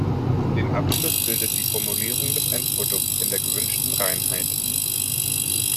Den Abschluss bildet die Formulierung des Endprodukts in der gewünschten Reinheit.